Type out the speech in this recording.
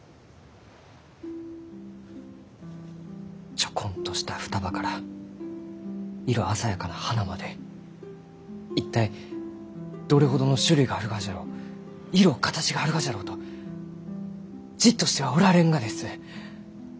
ちょこんとした双葉から色鮮やかな花まで一体どれほどの種類があるがじゃろう色形があるがじゃろうとじっとしてはおられんがです！